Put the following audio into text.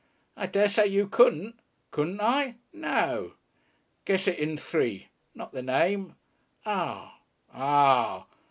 "I dessay you couldn't." "Couldn't I?" "No!" "Guess it in three." "Not the name." "Ah!" "_Ah!